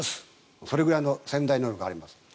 それぐらいの潜在能力があります。